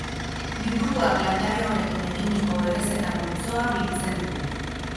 Liburuak landare horrekin eginiko errezeta multzoa biltzen du.